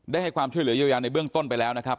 ให้ความช่วยเหลือเยียวยาในเบื้องต้นไปแล้วนะครับ